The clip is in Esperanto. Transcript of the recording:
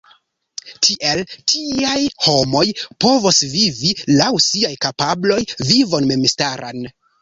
Tiel tiaj homoj povos vivi laŭ siaj kapabloj vivon memstaran.